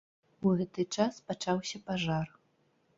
У гэты час пачаўся пажар.